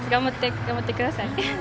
頑張ってください。